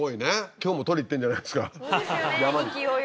今日もとりに行ってんじゃないですか。